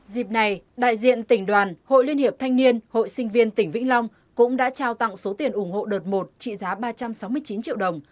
dịp này đại diện tỉnh đoàn hội liên hiệp thanh niên hội sinh viên tỉnh vĩnh long cũng đã trao tặng số tiền ủng hộ đợt một trị giá ba trăm sáu mươi chín triệu đồng